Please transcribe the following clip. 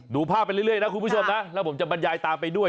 ดูภาพไปเรื่อยนะคุณผู้ชมนะแล้วผมจะบรรยายตามไปด้วย